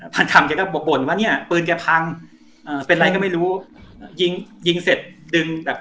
พานคำพานคำแกก็บ่นว่าเนี่ยปืนแกพังเป็นไรก็ไม่รู้ยิงเสร็จดึงแบบ